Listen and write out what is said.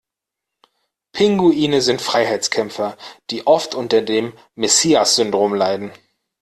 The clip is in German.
Pinguine sind Freiheitskämpfer, die oft unter dem Messias-Syndrom leiden.